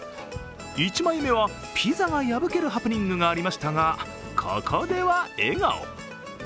１枚目はピザがやぶけるハプニングがありましたがここでは笑顔。